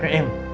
dari ineke im